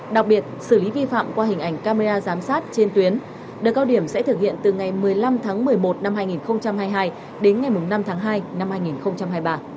đặc biệt xử lý vi phạm qua hình ảnh camera giám sát trên tuyến đợt cao điểm sẽ thực hiện từ ngày một mươi năm tháng một mươi một năm hai nghìn hai mươi hai đến ngày năm tháng hai năm hai nghìn hai mươi ba